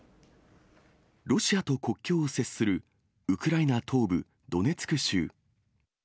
ロシアと国境を接するウクライナ東部ドネツク州。